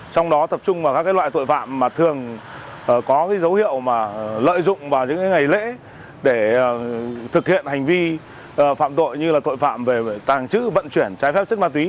trong đó tập trung vào các loại tội phạm mà thường có dấu hiệu lợi dụng vào những ngày lễ để thực hiện hành vi phạm tội như là tội phạm về tàng trữ vận chuyển trái phép chất ma túy